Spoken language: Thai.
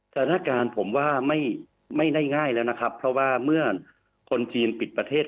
สถานการณ์ผมว่าไม่ได้ง่ายแล้วนะครับเพราะว่าเมื่อคนจีนปิดประเทศ